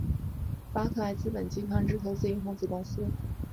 巴克莱资本集团之投资银行子公司。